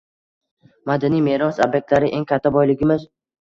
Madaniy meros ob’ektlari – eng katta boyligimiz